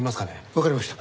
わかりました。